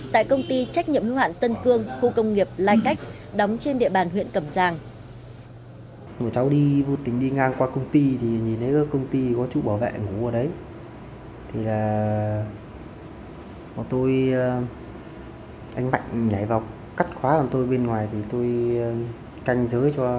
tại công ty trách nhiệm hưu hạn tân cương khu công nghiệp lai cách đóng trên địa bàn huyện cầm giàng